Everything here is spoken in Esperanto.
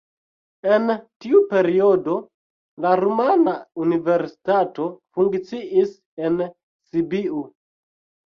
En tiu periodo la rumana universitato funkciis en Sibiu.